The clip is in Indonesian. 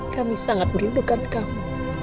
kami sangat merindukan kamu